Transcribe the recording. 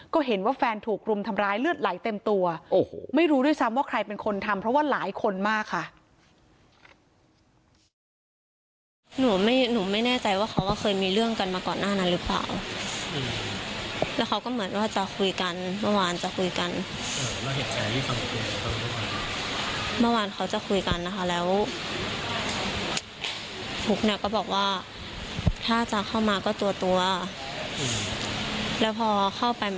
ก็เห็นว่าแฟนถูกรุมทำร้ายเลือดไหลเต็มตัวโอ้โหไม่รู้ด้วยซ้ำว่าใครเป็นคนทำเพราะว่าหลายคนมากค่ะ